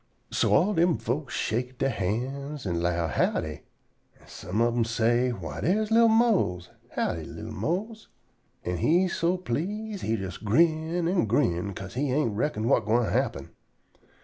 So all dem folks shake dere hands an' 'low "Howdy," an' some ob dem say: "Why, dere's li'l Mose! Howdy, li'l Mose?" An' he so please he jes grin an' grin, 'ca'se he ain't reckon whut gwine happen.